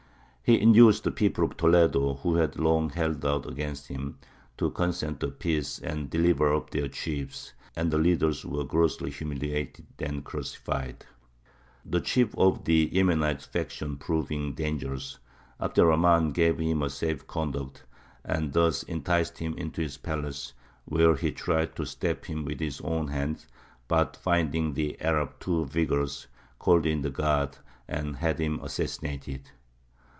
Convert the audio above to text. He induced the people of Toledo, who had long held out against him, to consent to a peace and deliver up their chiefs; and the leaders were grossly humiliated and then crucified. The chief of the Yemenite faction proving dangerous, Abd er Rahmān gave him a safe conduct, and thus enticed him into his palace, where he tried to stab him with his own hand, but finding the Arab too vigorous, called in the guard and had him assassinated.